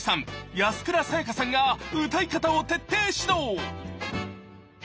安倉さやかさんが歌い方を徹底指導！